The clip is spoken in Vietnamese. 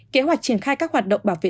kế hoạch triển khai các hoạt động bảo vệ